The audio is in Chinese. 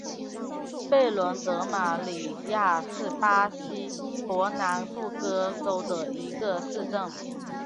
贝伦德马里亚是巴西伯南布哥州的一个市镇。